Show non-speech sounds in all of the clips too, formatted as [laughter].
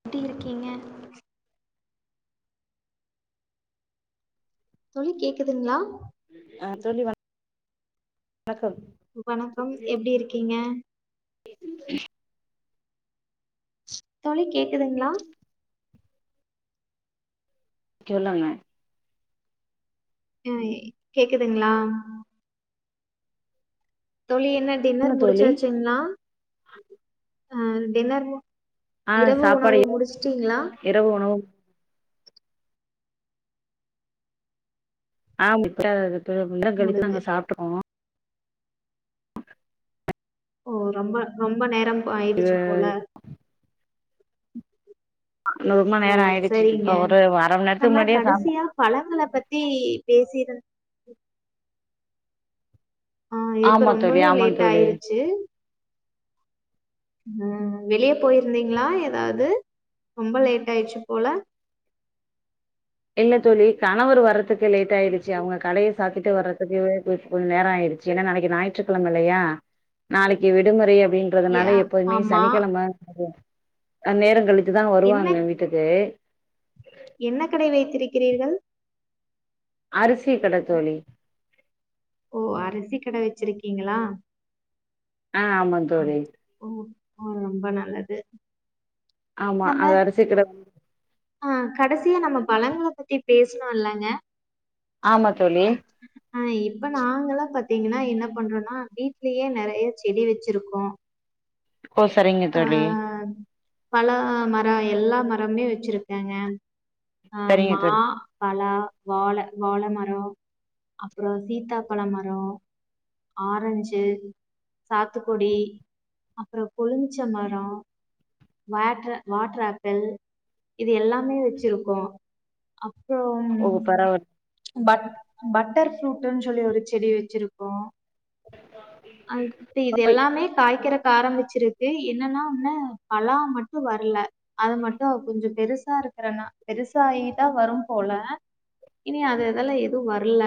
எப்டி இருக்கீங்க தோழி கேக்குதுங்களா ஆ தோழி வணக் வணக்கம் எப்டி இருக்கீங்க தோழி கே க்துங்களா சொல்லுங்க அ கேக்குதுங்களா தோழி என்ன டின்னர் முடுச்சாச்சுங்களா அ டின்னர் ஆ இரவு சாப்பாடு உணவு முடுச்சுட்டீங்களா இரவு உணவு ஆம் [unintelligible] இப்ப கொஞ்ச நேரங் கழுச்சு முடிஞ்சு நாங்க சாப்டுக்குவோ ஓ ரொம்ப ரொம்ப நேரம் ரொம்ப இது ஆயிடுச்சு போல ரொம்ப ஓ நேரோ ஆயிடுச்சு சேரிங்க இப்ப ஒரு அர மண் நேரத்துக்கு நம்ம முன்னாடியே சாப் கடசியா பழங்கள பத்தி பேசி ந்து ஆ இப்ப ஆமா தோழி ரொம்பவே ஆமா லேட் தோழி ஆயிருச்சு ம் வெளிய போயிருந்தீங்ளா எதாவது ரொம்ப லேட் ஆயிருச்சு போல இல்ல தோழி கணவர் வரத்துக் கு லேட் ஆயிடுச்சு அவங்க கடைய சாத்திட்டு வர்றதுக்கு கொஞ்சோ நேரோ ஆயிடுச்சு ஏனா நாளைக்கு ஞாயிற்றுக்கெழம இல்லயா நாளைக்கு விடுமுறைய ஏ அப்டின்றதுனால எப்போதுமே ஆமா சனிக்கெழம [unintelligible] அ நேரங் கழுச் ச்சுதா என்ன வருவாங்க வீட்டுக்கு என்ன கடை வைத்திருக்கிறீர்கள் அருஸ் அரிசி கடை தோழி இருக்கீங்களா ஆஹ் ஆமா தோழி ஹ ரொம்ப நல்லது ஆமா அத அரிசி சீக்கிரம் ஆஹ் கடைசியா நம்ம பழங்களை பத்தி பேசணும் இல்லங்க ஆமா தோழி ஆஹ் இப்ப நாங்க எல்லாம் பாத்தீங்கன்னா என்ன பண்றோம்னா வீட்லயே நிறைய செடி வச்சிருக்கோம் ஓ சரிங்க தோழி பலா மரம் எல்லா மரமே வச்சிருக்காங்க அஹ் சரிங்க மா தோழி பலா வாழ வாழை மரம் அப்பறம் சீத்தாப்பழம் மரம் ஆரஞ்சு சாத்துக்குடி அப்புறம் கொழுங்க பச்ச மரம் வா வாட்டர் ஆப்பிள் இது எல்லாமே வச்சிருக்கோம் அப்புறம் ஓ பரவால்ல பட் பட்டர் ஃப்ரூட்ன்னு சொல்லி ஒரு செடி வச்சிருக்கோம் அப்ப இது எல்லாமே காய்கற ஆரம்பிச்சிருக்கு என்னன்னா உடனே பலா மட்டும் வரல அத மட்டும் கொஞ்சம் பெருசா இருக்கறேனா பெருசாயிதான் வரும் போல இனி அது அதெல்லாம் எதுவும் வ இல்ல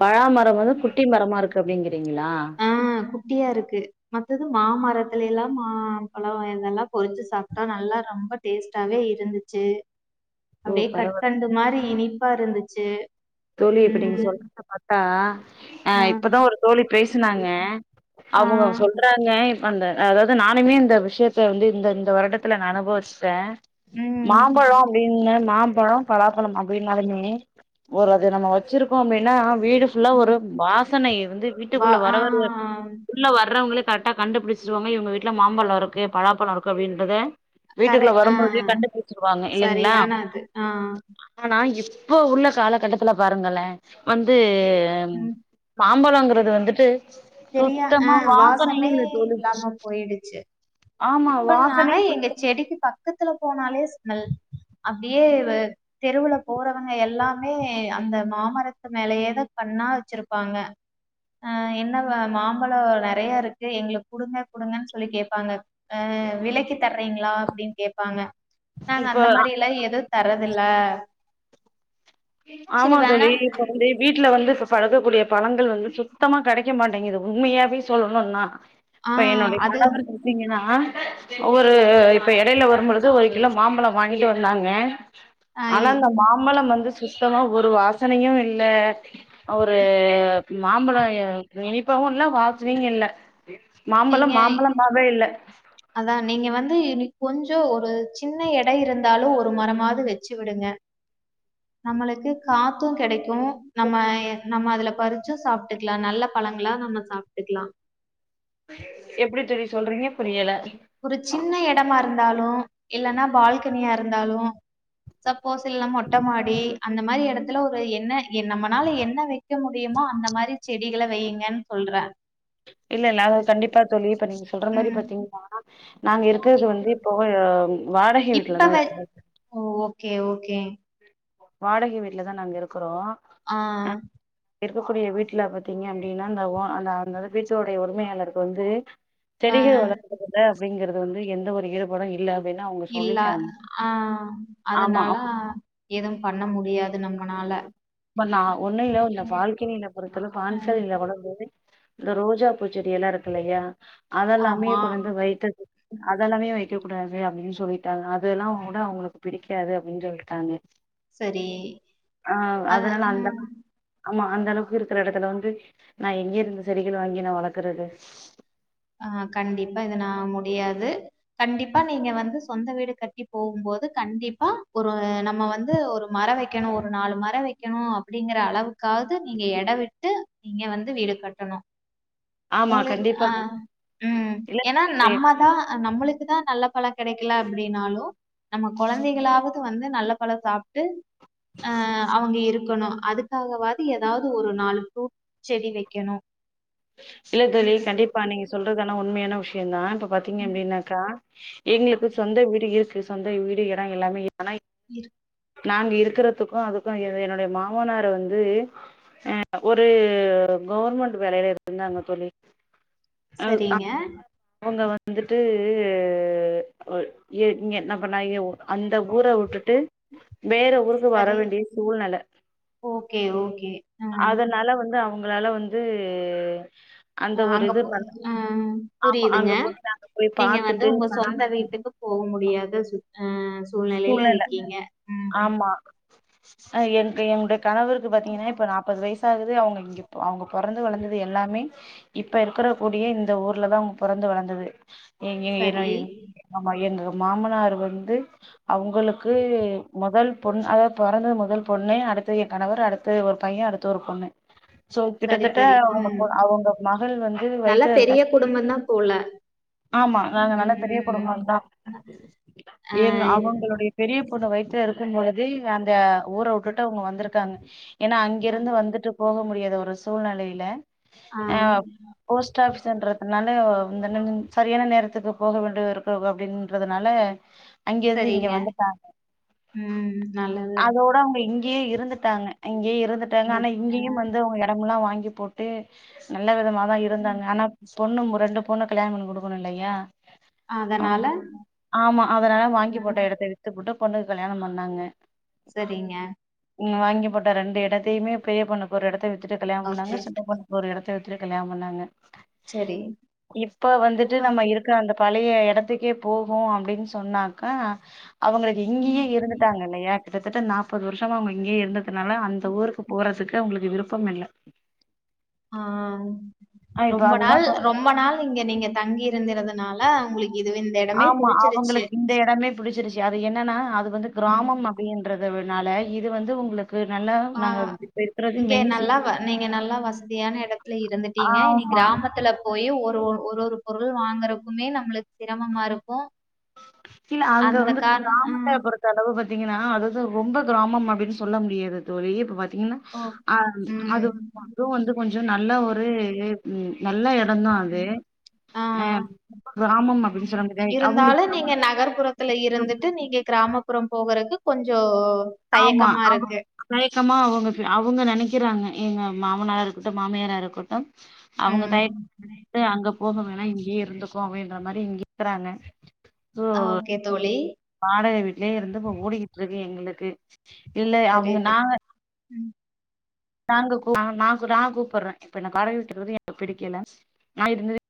பலாமரம் வந்து குட்டி மரமா இருக்கு அப்படிங்கட்டு அப்டிங்களா ஆஹ் குட்டியா இருக்கு மத்தது மாமரத்தல எல்லாம் மாப்பழம் இதெல்லாம் பொரிஞ்சு சாப்பிட்டா நல்லா ரொம்ப டேஸ்டாவே இருந்துச்சு ஓ அப்படியே பரவால்ல கட்கண்டு மாதிரி இனி அப்பா இருந்துச்சு தோழி இப்ப நீங்க உம் சொல்றத பார்த்தா அஹ் ஆஹ் இப்பதான் ஒரு தோழி பேசினாங்க அவங்க ஆஹ் சொல்றாங்க அந்த அதாவது நானுமே இந்த விஷயத்த வந்து இந்த இந்த வருடத்தில் நான் அனுபவிச்சிட்டேன் உம் மாம்பழம் அப்படின்னு மாம்பழம் பழம் பலாபழம் அப்படின்னாலுமே ஒரு அது நம்ம வச்சிருக்கோம் அப்படின்னா வீடு ஃபுல்லா ஒரு வாசன இருந்து வா வீட்டுக்குள்ள வரவ ஆஹ் உள்ள வர்றவங்களுக் கரெக்டா கண்டுபிடிச்சிர்வாங்க இவங்க வீட்ல மாம்பழோ இருக்கு பழாப்பழோ இருக்குது அப்டின்றத கரை வீட்டுக்குள்ள ஆ வரும்போதே கண்டுபிடிச்சிருவாங்க இல்லைங்களா சரியான அது ஆ ஆனா இவ் உ உருளக்கால கட்டத்துல பாருங்களே வந்து ம் பாப் சம்பளம்கிறது வந்துட்டு தெரியா ஆ சுத்தமா வாசனையே வாசமே இல்ல தோழி இல்லாம போயிடுச்சு ஆமா இப்ப தாங்க வாசனை எங்க செடிக்கு ஃபஸ்டு த்துல போனாலே ஸ்மெல் அப்படியே தெருவுல போறவங்க எல்லாமே அந்த மாமரத்து மேலயேதா கண்ணா வச்சிருப்பாங்க அ என்ன மாம்பழோ நறைய இருக்கு எங்களுக்கு குடுங்க குடுங்கன்னு சொல்லி கேப்பாங்க ஆ விலிக்கி தர்றீங்களா அப்டின்னு கேப்பாங்க நாங்க இப்ப அந்த மாரியல்லா எதோ தரதில்ல சரி ஆமா வேணா தோலி இப்ப வந்து வீட்டுல வந்து இப்ப பழக்கக்கூடிய பழங்கள் வந்து சுத்தமா கெடைக்க மாட்டேங்குது உண்மையாவே சொல்லணும்னா ஆ அப்ப என்னுடைய அது கனவர் பாத்தீங்கன்னா ஒரு இப்ப எடையில வரும்பொழுது ஒரு கிலோ மாம்பழோ வாங் [unintelligible] வந்தாங்க ஆ ஆனா இ- இந்த மாமழம் வந்து சுத்தமா ஒரு வாசனையு இல்ல ஒரு மாம்பழோ இனிப்பு இல்ல வாசனையு இல்ல மாம்பழம் ஏங்கய் மாம்பழமாவே இல்ல அதா நீங்க வந்து [unintelligible] கொஞ்சோ ஒரு சின்ன எடை இருந்தாலு ஒரு மரமாவது வச்சு விடுங்க நம்மளுக்கு காத்து கெடைக் கு நம்மய் நம்ம அதுல பறிச்சு சாப்ட்டுக்கலா நல்ல பழங்களா நம்ம சாப்ட்டுக்கலா எப்டி தெரிய சொல்றீங்க புரியல ஒரு சின்ன எடமா இருந் ந்தாலு இல்லன்னா பால்கனியா இருந்தாலு ஸப் போஸ் இல்ல மொட்ட மாடி அந்த மாரி எடத் இதுல ஒரு என்ன நம்மளால என்ன வைக்க முடியுமோ அந்த மாரி செடிகள வைங்கனு சொல்றே இல்ல இல்ல அதது கண்டிப்பா சொல்லிப்ப நீீங்க சொல்ற மாதிரி ம். பாத்தீங்கன்னா நாங்க இருக்கறது வந்து இப் இப்போஹ வாடகை இப்ப வ வீட்டுலதான் இப்போ ஓ! ஓகே ஓகே வாடகை வீட்டுல தான் நாங்க இருக்கிறோம் ஆஹ் இருக்கக்கூடிய வீட்டுல பாத்தீங்க அப்படின்னா அந்த அந்த அந்த வீட்டோடய உரிமையாளருக்கு வந்து ஆ. செடிகள் வளர்குறதுல அப்படிங்றது வந்து எந்த ஒரு ஈடுபாடும் இல்லாத இல்ல ஆஹ் ஆமா அதனால எதுவும் பண்ண முடியாதுன்னா நான் ஒன்னு இல பால்கனியில பொறுத்தல பால்கனில கூட போது ரோஜா பூச்செடி எல்லாம் இருக்கும் இல்லையா அதெல்லாமே ஆமா. கொண்டு வந்து வைத்து அதெல்லாமே வைக்க கூடாது அப்படின்னு சொல்லிட்டாங்க அதெல்லாமே வைக்க கூடாது அவங்களுக்கு பிடிக்காது அப்படின்னு சொல்லிட்டாங்க சரி ஆஹ் அது அதனால அந்த ம் ஆமா அந்த அளவுக்கு இருக்கிற இடத்துல வந்து நான் எங்க இருந்து செடிகள் வாங்கி நான் வளர்க்குறது ஆஹ் கண்டிப்பா இதுனான் முடியாது கண்டிப்பா நீங்க வந்து சொந்த வீடு கட்டி போகும்போது கண்டிப்பா ஒரு நம்ம வந்து ஒரு மரம் வைக்கணும் ஒரு நாலு மரம் வைக்கணும் அப்படிங்கிற அளவுக்காவது நீங்க இடம் விட்டு நீங்க வந்து வீடு கட்டணும் ஆமா உங்களுக்கு கண்டிப்பா ஆஹ் உம் இல்ல ஏன்னா தோழி இப்ப நம்மதான் நம்மளுக்குதான் நல்ல பழம் கிடைக்கல அப்படின்னாலும் நம்ம குழந்தைகளாவது வந்து நல்ல பழம் சாப்பிட்டு அஹ் அவங்க இரு இருக்கணும் அதுக்காகவது ஏதாவது ஒரு நாலு பூ செடி வைக்கணும் இல்ல தோழி கண்டிப்பா நீங்க சொல்றதா உண்மையான விஷயம் தான் இப்ப பாத்தீங்க அப்படின்னாக்கா எங்களுக்கு சொந்த வீடு இருக்கு சொந்த வீடு இடம் எல்லாமே இருக்கு நாங்க இருக்குறதுக்கும் அதுக்கும் என்னுடைய மாமனார் வந்து ஒரு கவர்வர்மெண்ட் வேலையில இரு இருந்தாக தோழி செரிங்க வந்துட்டுங்க என்ன பண்ணா அ ஊரை விட்டுட்டு வேற ஊருக்கு வர சரி வேண்டிய சூழ்நிலை ஓகே ஓகே ம் அதனால வந்து அவங்க அவங்களால வந்து அ அ அங்கப் ஆ ஆமா புரியுதுங்க அங்க போய் நாங்க போய் நீங்க வந்து பாத்துட்டு உங்க வர சொந்த வீட்டுக்கு போக முடியாத சூழ் சூழ்நெல ம் ஆமா அ என் என்னுடைய கணவருக்கு பாத்தீங்கன்னா இப்ப நாப்பது வயிஸ் சாகுது அவங்க இங்க அவங்க பொறந்து வளந்தது எல்லாமே இப்ப இருக்கற கூடிய இந்த ஊர்லதாம் பொறந்து வளந்தது எங்க சரி [unintelligible] எங் மாமனாரு வந்து அவங்களுக்கு மொதல் பொண் அதாவது பொறந்தது மொதல் பொண்ணு அடுத்தது எ கணவர் அடுத்தது ஒரு பைய அடுத்து ஒரு பொண்ணு சோ சரி கிட்டத்தட்ட சரி அவங்க பொ ம் அவங்க மகள் வந்து நல்லா வயிற்றுல பெரிய இருக்கும் போது குடும்பந்தா போல ஆமா ம் நாங்க நல்லா ம் ம் பெரியக்குடும்பந்தா ஆ எங்க அவங் எங்களுடைய பெரிய பொண்ணு வைஸ் சா இருக்கும் பொழுத அந்த ஊர உட்டுட்டு அவங்க வந்துருக்காங்க ஏன்னா அங்கிருந்து வந்துட்டு போக மு முடியாத ஒரு சூழ்நெலையில ஆ போஸ்ட் ஆஃபிஸ்ன்றதுனால வந்தொன வந் சரியான நேரத்துக்கு போக வேண்டிது இருக்கு அவ அப்டின்றதுனால அங்கேருந்து இங் இங்க சரிங்க வந்துட்டாங்க ம் நல்லது அதோட அவங்க இங்கயே இருந்துட்டாங்க இங்கேயே இருந்துட்டாங்க ம் ஆனா இங்கியும் வந்து அவங்க எடமெல்லா வாங்கி ங்கி போட்டு நல்ல விதமா தா இருந்தாங்க ஆனாப் ஸ் பொண்ணும் ரெண்டு பொண்ண கல்யாணம் பண்ணி குடுக்கணு இல்லையா ம் அதனால ஆமா அதனால வாங்கி ம் போட்ட எடத் த்த வித்துபுட்டு பொண்ணுக்கு கல்யாணம் பண்ணாங்க சரிங்க இங்க வாங்கி போட்ட ரெண்டு எடத்தையுமே பெரிய பொண்ணுக் ஒரு எடத்த வித் துட்டு கல்யாணம் பண்ணாங்க ஓகே சின்ன பொண்ணுக்கு ஒரு எடத்த வித் துட்டு கல்யாணம் பண்ணாங்க சரி இப்ப வந்துட்டு இப்ப நம்ம இருக்குற அந்த பா பழைய எடத்துக்கே போவோ அப்டின் சொன்னாக்கா அவுங்களுக்கு இங்கேயே ம் இருந்துட்டாங்க இல்லையா கிட்டத்தட்ட நாற்பது வருஷமா அவுங்க இங்கேயேருந்த அதனால அந்த ஊருக்கு போறதுக்கு அவுங்களுக்கு விருப்பம் இல்ல ஆ அ இப்ப ரொம்ப அதுதான் நாள் இப்ப ரொம்ப நாள் இங்க நீங்க தங்கி இருந்திறதுனால உங்களுக்கு இது இந்த இடமே ஆமா புடிச்சிருச்சு அவுங்களுக்கு இந்த எடமே புடிச்சிருச்சு அது என்னன்னா அது வந்து ம் கிராமம் அப்டின்றத வி னால இது வந்து ஒங்களுக்கு ஆ இங்க நல்லா சிட்டி நீங்க நல்லா வசதியான எடத்துல இருந்துட்டீங்க இனி ஆமா. கிராமத்துல போய் ஒரு ஒரு ஒரு ஒரு பொருள் வாங்குறக்குமே நம்மளுக்கு சிரமமா இருக்கு இல்ல அங்க அந்த வந்து கார் கிராமத்த ம் பொறுத்த அளவு பத்தி பாத்திங்கனா அதுதா ரொம்ப கிராமம் அப்டின்னு சொல்ல முடியாது தோழி ஓ ஆ அது ம் அதுவும் வந்து கொஞ்சோ நல்ல ஒரு உம் நல்ல எடந்தா அது ஆ அ கிராமம் அப்டின்னு சொல்ல முடியத இருந்தாலு அவுங்களுக்கு நீங்க நகர்புறத்துல இருந்துட்டு நீங்க கிராமப்புறம் போகுறதுக்கு கொஞ்சோ ஆமா தயக்கமா அவ இருக்கு தயக்கமா அவுங்க அவுங்க நெனக்க வக்குறாங்க எங்க மாமனாரா இருக்கட்டு மாமியாரா இருக்கட்டு அவுங்க ம் தயக்கமா அங்க போக வேணா இங்கயே இருந்த போவேன்ற மாரி இங்க இருக்குறாங்க ஆ ஓகே தோழி வாடக வீட்லேயே இருந்து இப்ப ஓடிக்கிட்டு இருக்கு எங்களுக்கு இல்ல சரி அவுங்க சரி நாங்க ம் நாங்க நா கூப்புற்றே இப்ப கார விட்ல எனக்கு பிடிக்கல நா இருந்தது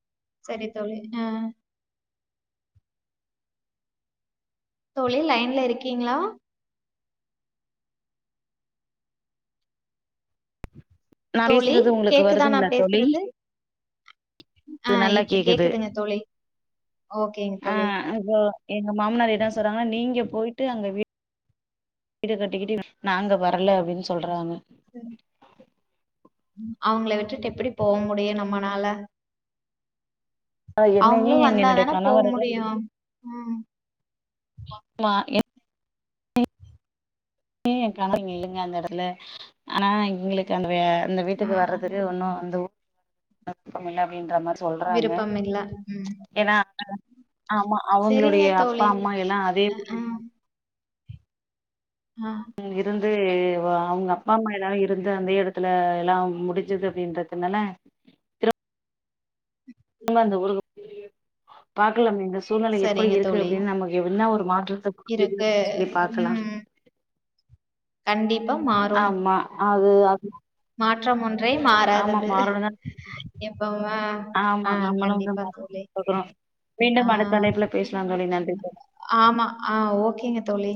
சரி தோழி ஆ தோழி லைன்ல இருக்கீங்ளா நா தோழி பேசுறது ஒங்களுக்கு கேக்குதா வருதுங்ளா நான் தோழி பேசுறது? ஆ அது நல்லா இப்ப கேக்குது கேக்குதுங்க தோழி. ஓகேங்க ஆ தோழி. அப்போ எங்க மாமனார் என்ன சொல்றாங்கன்னா நீங்க போயிட் ட்டு அங்க வீ வீடு கட்டிக்கிட்டு நாங்க வரல அப்டின் சொல்றாங்க ம் ம் அவங்கள விட்டுட்டு எப்புடி போ முடியு நம்மனால அ என்னயு அவங்களும் எங் வந்தா என்னுடைய தான போ கணவரையும் முடியும். ம். மா என் ஏ கணவர் இங்க இல்லங்க அந்த எடத்துல ஆனா எங்களுக்கு அந்த வே அந்த அ வீட்டுக்கு வர்றதுக்கு உன்னு அந்த [unintelligible] இல்ல அப்டின்ற மாரி சொல்றாங்க விருப்பம் இல்ல. ம். ஏனா ஆமா சரிங்க அவங்களுடைய அப்பா தோழி. அம்மா எல்லா அதே ஊர்ல அ இருந்து ஆ ம் இருந்து வ அவங்க அப்பா அம்மா எல்லாரு இருந்த அந்த எடத்துல எல்லாம் முடுஞ்சுது அப்டின்றதுனால திருவ நம்ம இந்த ஊருக்கு பாக்கலா நீங்கஸ் சூழ்நெலை எப்டி சரிங்க இருக்கு தோழி. அப்டின் நமக்கு என்ன ஒரு ன்றது அப்ப தெரியு இருக்கு. சொல்லி பாக்கலா ம். கண்டிப்பா மாறும் து அது மாற்றம் ஒன்றே ஆமா மாறாதது மாறணும்தான் எப்பவுமா ஆமா ஆ நம்மளும் வந்து கண்டிப்பா தோழி மாறிக்கிறோம் ஆ மீண்டும் அடுத்த அழைப்புல பேசலாம் தோழி நன்றி ஆமா ஆ ஓகேங்க தோழி